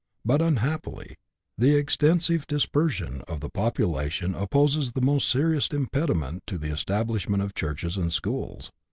But, un happily, the extensive dispersion of the population opposes the most serious impediment to the establishment of churches and schools.